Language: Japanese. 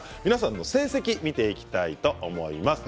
皆さんの成績を見ていきたいと思います。